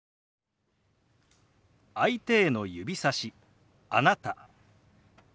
相手への指さし「あなた」。